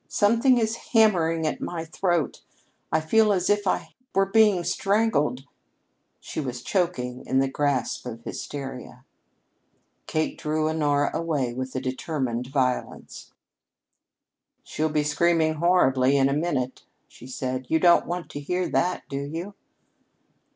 Something is hammering at my throat. I feel as if I were being strangled " she was choking in the grasp of hysteria. Kate drew Honora away with a determined violence. "She'll be screaming horribly in a minute," she said. "You don't want to hear that, do you?"